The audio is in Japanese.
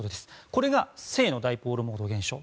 これが正のダイポールモード現象。